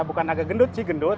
bukan agak gendut ci gendut